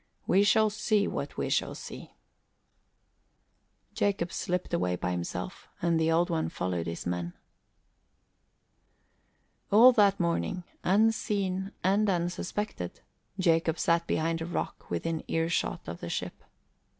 We shall see what we shall see." Jacob slipped away by himself and the Old One followed his men. All that morning, unseen and unsuspected, Jacob sat behind a rock within earshot of the ship.